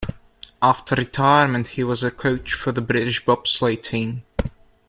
After retirement, he was a coach for the British bobsleigh team.